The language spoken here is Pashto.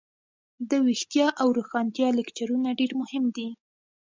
دویښتیا او روښانتیا لکچرونه ډیر مهم دي.